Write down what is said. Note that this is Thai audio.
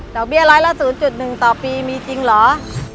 เบี้ยร้อยละ๐๑ต่อปีมีจริงเหรอ